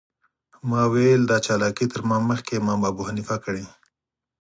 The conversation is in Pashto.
ما ویل دا چالاکي تر ما مخکې امام ابوحنیفه کړې.